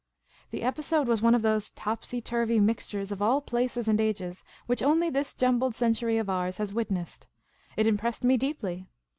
The episode was one of those topsy turvy mixtures of all places and ages which only this jum])led century of ours has witnessed ; it impressed me deeply.